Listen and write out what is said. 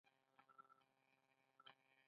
خوله نلرې خبره وکه.